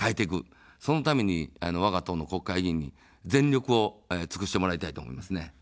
そのために、わが党の国会議員に全力を尽くしてもらいたいと思いますね。